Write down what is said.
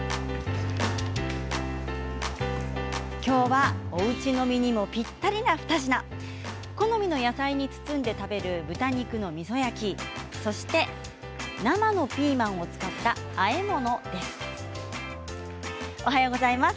きょうはおうち飲みにもぴったりな２品好みの野菜に包んで食べる豚肉のみそ焼き生のピーマンを使ったあえ物です。